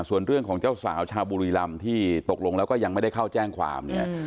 ส่วนเรื่องของเจ้าสาวชาวบุรีรำที่ตกลงแล้วก็ยังไม่ได้เข้าแจ้งความเนี่ย